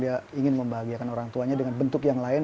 dia ingin membahagiakan orang tuanya dengan bentuk yang lain